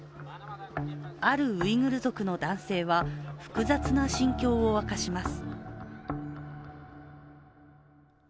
あるウイグル族の男性は複雑な心境を明かします。